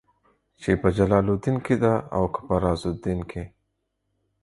چې په جلال الدين کې ده او که په رازالدين کې.